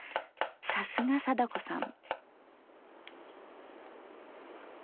さすが貞子さん。